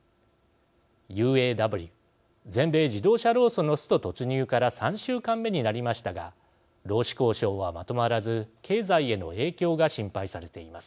ＵＡＷ＝全米自動車労組のスト突入から３週間目になりましたが労使交渉はまとまらず経済への影響が心配されています。